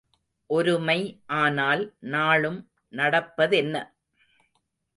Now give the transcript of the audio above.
ஒருமை ஆனால் நாளும் நடப்பதென்ன?